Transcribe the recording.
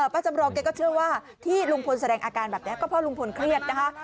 ป้าจำรองเค้าเชื่อว่าที่รุงพลแสดงอาการแบบนี้